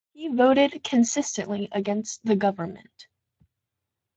He voted consistently against the Government.